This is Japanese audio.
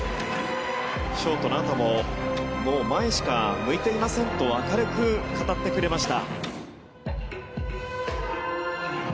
ショートのあとももう前しか向いていませんと明るく語ってくれました。